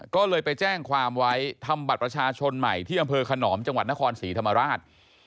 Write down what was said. ก็เลยไปแจ้งความไว้ทำบัตรประชาชนใหม่ที่อำเภอขนอมจังหวัดนครศรีธรรมราช